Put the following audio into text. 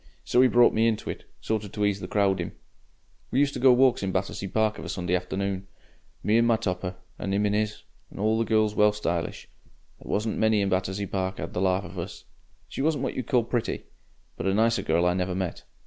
So 'e brought me into it, sort of to ease the crowding. We used to go walks in Battersea Park of a Sunday afternoon. Me in my topper, and 'im in 'is; and the girl's well stylish. There wasn't many in Battersea Park 'ad the larf of us. She wasn't what you'd call pretty, but a nicer girl I never met.